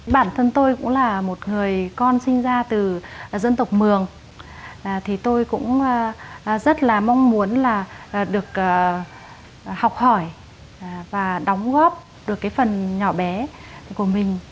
bản thân tôi cũng là một người con sinh ra từ dân tộc mường thì tôi cũng rất là mong muốn là được học hỏi và đóng góp được cái phần nhỏ bé của mình